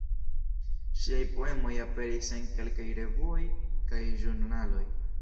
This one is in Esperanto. Ŝiaj poemoj aperis en kelkaj revuoj kaj ĵurnaloj.